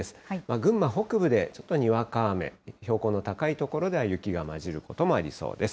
群馬北部でちょっとにわか雨、標高の高い所では雪が混じることもありそうです。